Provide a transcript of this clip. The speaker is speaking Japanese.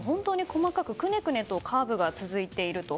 細かくくねくねとカーブが続いていると。